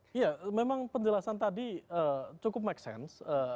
iya memang penjelasan tadi cukup make sense